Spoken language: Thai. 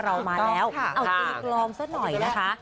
เอาตีกรองสะหนอยนะคะ